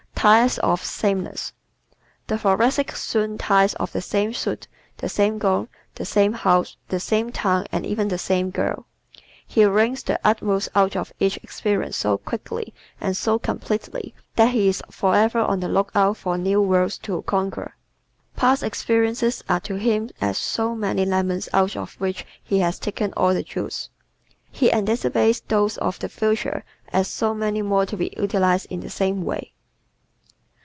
Tires of Sameness ¶ The Thoracic soon tires of the same suit, the same gown, the same house, the same town and even the same girl. He wrings the utmost out of each experience so quickly and so completely that he is forever on the lookout for new worlds to conquer. Past experiences are to him as so many lemons out of which he has taken all the juice. He anticipates those of the future as so many more to be utilized in the same way.